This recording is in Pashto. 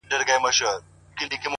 چي يو ځل بيا څوک په واه .واه سي راته.